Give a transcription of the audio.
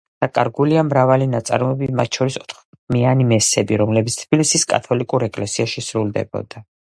დაკარგულია მრავალი ნაწარმოები, მათ შორის ოთხხმიანი მესები, რომლებიც თბილისის კათოლიკურ ეკლესიაში სრულდებოდა.